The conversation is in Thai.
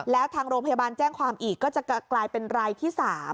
แล้วทางโรงพยาบาลแจ้งความอีกก็จะกลายเป็นรายที่๓